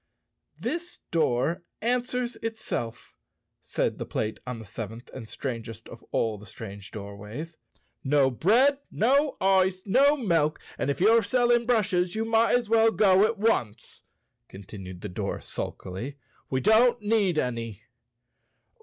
"This door answers itself," said the plate on the sev¬ enth and strangest of all the strange doorways. "No bread, no ice, no milk; and if you're selling brushes you might as well go at once," continued the door sulkily. "We don't need any."